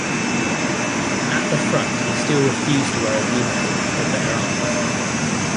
At the front he still refused to wear a uniform or bear arms.